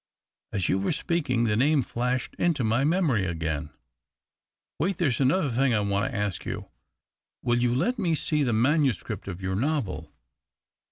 As you were speaking, the name flashed into my memory again. Wait, there is another thing I want to ask you. Will you let me see the manuscript of your novel